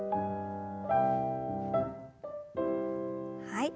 はい。